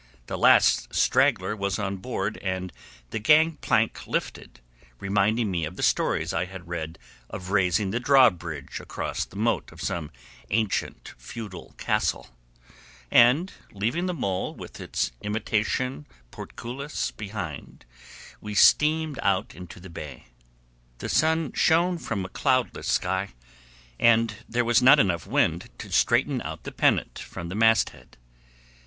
The last straggler was on board and the gangplank lifted, reminding me of the stories I had read of raising the drawbridge across the moat of some ancient feudal castle, and leaving the mole with its imitation portcullis behind we steamed out into the bay. The sun shone from a cloudless sky, and there was not enough wind to straighten out the pennant from the masthead.